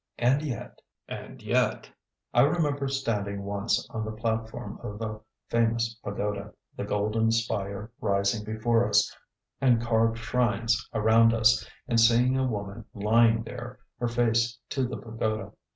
And yet, and yet. I remember standing once on the platform of a famous pagoda, the golden spire rising before us, and carved shrines around us, and seeing a woman lying there, her face to the pagoda.